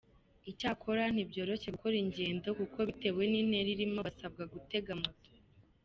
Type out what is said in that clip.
Icyakora ntibyoroshye gukora ingendo kuko bitewe n’intera irimo basabwa gutega moto.